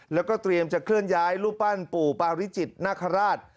แล้วก็เตรียมจะเคลื่อนย้ายรูปปั้นปู่ปาริจิตนาคาราช